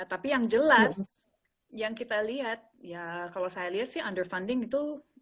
tapi yang jelas yang kita lihat ya kalau saya lihat sih underfunding itu